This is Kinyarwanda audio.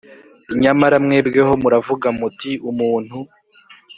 Nyamara mwebweho muravuga muti Umuntu